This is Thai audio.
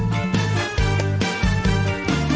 กลับสบัติข่าว